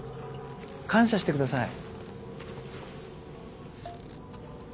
感謝してください。